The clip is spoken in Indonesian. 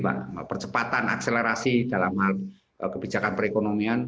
percepatan akselerasi dalam hal kebijakan perekonomian